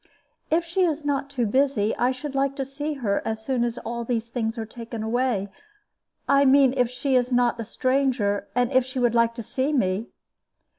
"If she is not too busy, I should like to see her as soon as these things are all taken away. I mean if she is not a stranger, and if she would like to see me."